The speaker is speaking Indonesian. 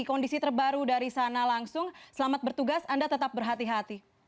kondisi terbaru dari sana langsung selamat bertugas anda tetap berhati hati